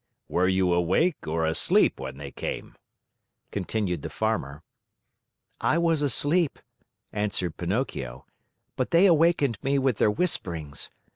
"Were you awake or asleep when they came?" continued the Farmer. "I was asleep," answered Pinocchio, "but they awakened me with their whisperings.